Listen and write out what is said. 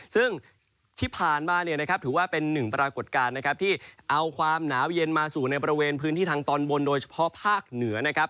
ซึ่งที่ผ่านมาเนี่ยนะครับถือว่าเป็นหนึ่งปรากฏการณ์นะครับที่เอาความหนาวเย็นมาสู่ในบริเวณพื้นที่ทางตอนบนโดยเฉพาะภาคเหนือนะครับ